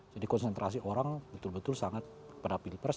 jadi konsentrasi orang betul betul sangat pada pilih pers